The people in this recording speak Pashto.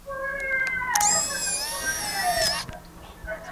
تا يو څو شېبې زما سات دئ راتېر كړى.!